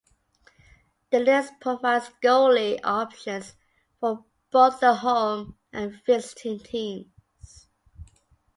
The list provides goalie options for both the home and visiting teams.